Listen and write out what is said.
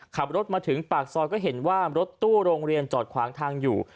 ขับรถมาถึงปากซอยก็เห็นว่ารถตู้โรงเรียนจอดขวางทางอยู่